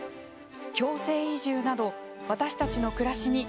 強制移住など私たちの暮らしに。